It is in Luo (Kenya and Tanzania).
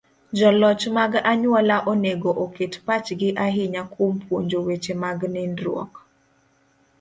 Joloch mag anyuola onego oket pachgi ahinya kuom puonjo weche mag nindruok.